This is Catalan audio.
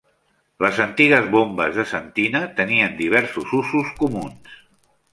Les antigues bombes de sentina tenien diversos usos comuns.